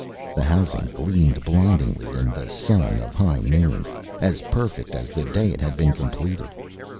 The housing gleamed blindingly in the sun of high noon, as perfect as the day it had been completed.